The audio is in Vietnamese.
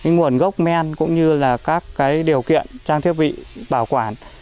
nguồn gốc men cũng như các điều kiện trang thiết bị bảo quản